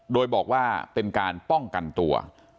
โดยบอกว่าเป็นการป้องกันตัว